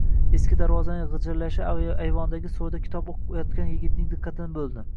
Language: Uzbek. Eski darvozaning gʼijirlashi ayvondagi soʼrida kitob oʼqib yotgan yigitning diqqatini boʼldi.